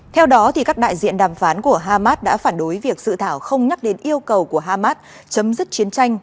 theo đó các đại diện đàm phán của hamas đã phản đối việc sự thảo không nhắc đến yêu cầu của hamas chấm dứt chiến tranh